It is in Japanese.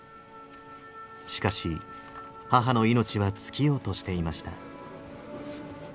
しかし母の命は尽きようとしていました。